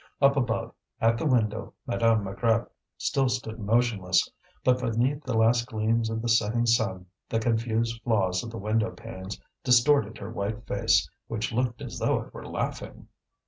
Up above, at the window, Madame Maigrat still stood motionless; but beneath the last gleams of the setting sun, the confused flaws of the window panes distorted her white face which looked as though it were laughing.